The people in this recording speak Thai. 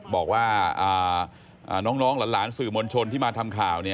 บอกว่าน้องหลานสื่อมวลชนที่มาทำข่าว